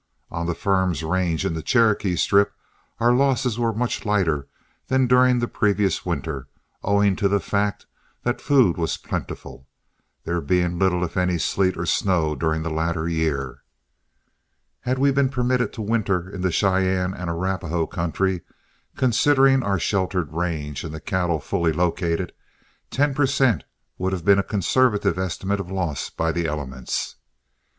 On the firm's range in the Cherokee Strip our losses were much lighter than during the previous winter, owing to the fact that food was plentiful, there being little if any sleet or snow during the latter year. Had we been permitted to winter in the Cheyenne and Arapahoe country, considering our sheltered range and the cattle fully located, ten per cent would have been a conservative estimate of loss by the elements.